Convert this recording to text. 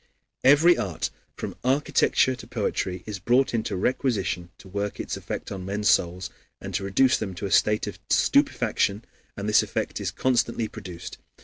Every art, from architecture to poetry, is brought into requisition to work its effect on men's souls and to reduce them to a state of stupefaction, and this effect is constantly produced.